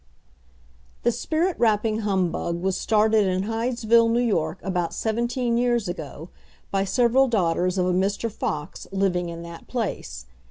The "spirit rapping" humbug was started in Hydesville, New York, about seventeen years ago, by several daughters of a Mr. Fox, living in that place.